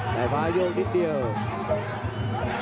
สายฟ้ายกนิดเดียว